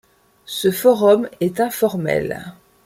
Ce Forum est informel.